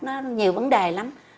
nó nhiều vấn đề lắm